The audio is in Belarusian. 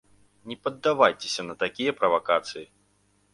Не паддавайцеся на такія правакацыі.